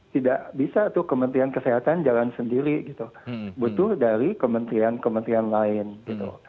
tidak bisa tuh kementerian kesehatan jalan sendiri gitu butuh dari kementerian kementerian lain gitu